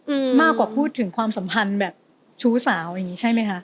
อืมมากกว่าพูดถึงความสัมพันธ์แบบชู้สาวอย่างงี้ใช่ไหมคะ